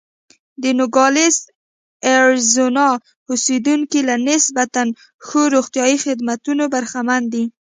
د نوګالس اریزونا اوسېدونکي له نسبتا ښو روغتیايي خدمتونو برخمن دي.